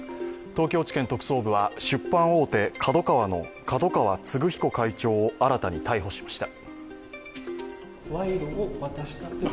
東京地検特捜部は出版大手、ＫＡＤＯＫＡＷＡの角川歴彦会長を新たに逮捕しました。